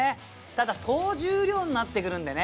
ただ総重量になってくるんでね。